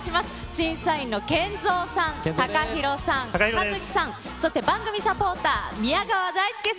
審査員のケンゾーさん、ＴＡＫＡＨＩＲＯさん、ｋａｚｕｋｉさん、そして番組サポーター、宮川大輔